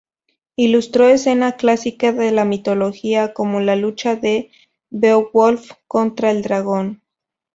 Ilustró escenas clásicas de la mitología, como la lucha de Beowulf contra el dragón.